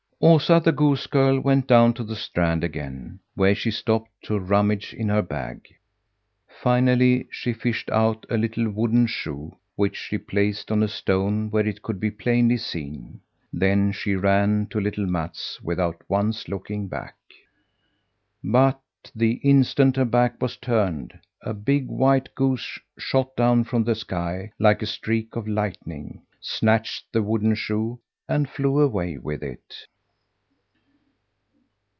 Osa, the goose girl, went down to the strand again, where she stopped to rummage in her bag. Finally she fished out a little wooden shoe, which she placed on a stone where it could be plainly seen. Then she ran to little Mats without once looking back. But the instant her back was turned, a big white goose shot down from the sky, like a streak of lightning, snatched the wooden shoe, and flew away with it.